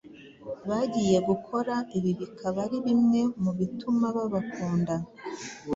bagiye gukora ibi bikaba ari bimwe mu bituma babakunda